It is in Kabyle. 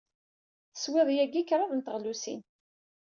Teswiḍ yagi kraḍt n teɣlusin.